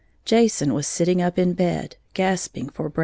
Jason was sitting up in bed, gasping for breath.